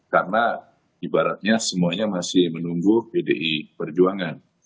karena ibaratnya semuanya masih menunggu bdi perjuangan